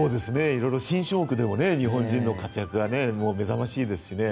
色々、新種目でも日本人の活躍が目覚ましいですしね。